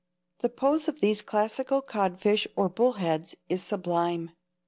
The pose of these classical codfish or bullheads is sublime.